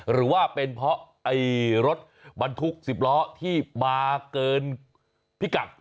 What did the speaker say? หรือว่าเป็นเพราะรถบรรทุก๑๐ล้อที่มาเกินพิกัด